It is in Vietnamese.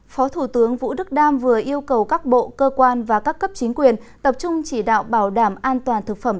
phó thủ tướng vũ đức đam vừa yêu cầu các bộ cơ quan và các cấp chính quyền tập trung chỉ đạo bảo đảm an toàn thực phẩm